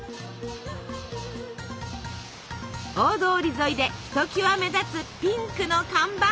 大通り沿いでひときわ目立つピンクの看板。